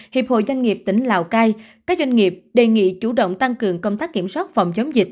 hiệp hội doanh nghiệp tỉnh lào cai các doanh nghiệp đề nghị chủ động tăng cường công tác kiểm soát phòng chống dịch